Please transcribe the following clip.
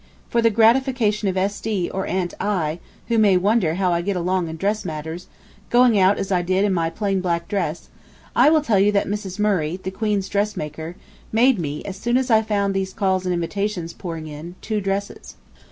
... For the gratification of S. D. or Aunt I., who may wonder how I get along in dress matters, going out as I did in my plain black dress, I will tell you that Mrs. Murray, the Queen's dressmaker, made me, as soon as I found these calls and invitations pouring in, two dresses.